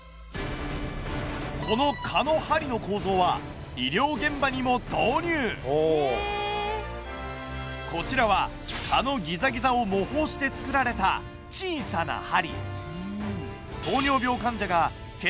この蚊の針の構造はこちらは蚊のギザギザを模倣して作られた小さな針。